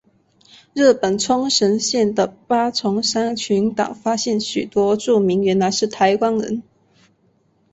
日本冲绳县的八重山群岛发现许多住民原来是台湾人。